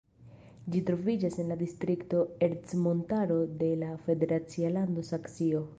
Ĝi troviĝas en la distrikto Ercmontaro de la federacia lando Saksio.